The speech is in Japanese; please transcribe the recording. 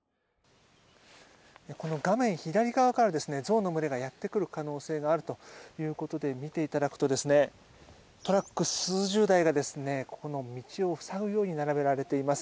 この画面左側からゾウの群れがやってくる可能性があるということで見ていただくとトラック数十台がここの道を塞ぐように並べられています。